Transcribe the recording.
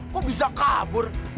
kok bisa kabur